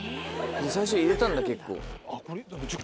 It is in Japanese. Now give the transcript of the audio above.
最初入れたんだ結構。